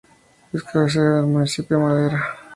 Es cabecera del Municipio de Madera.